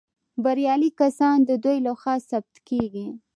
بریالي کسان د دوی لخوا ثبت کیږي.